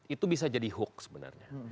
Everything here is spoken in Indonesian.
itu bisa dihook sebenarnya